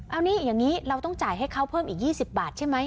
เอานี่อย่างนี้เราต้องจ่ายให้เขาเพิ่มอีก๒๐บาทใช่ไหม